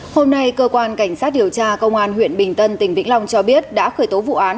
hôm nay cơ quan cảnh sát điều tra công an huyện bình tân tỉnh vĩnh long cho biết đã khởi tố vụ án